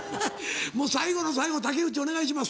もう最後の最後竹内お願いします。